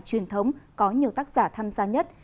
truyền thống có nhiều tác giả tham gia nhất